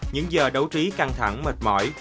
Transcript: những giờ đấu trí căng thẳng mệt mỏi